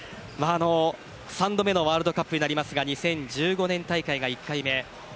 ３度目のワールドカップになりますが２０１５年大会が１回目。